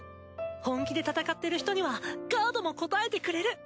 本気で戦ってる人にはカードも応えてくれる！